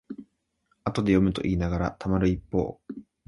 後で読むといいながらたまる一方